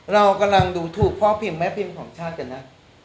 เรากำลังดูถูกพ่อพิมพ์แม่พิมพ์ของชาติกันนะ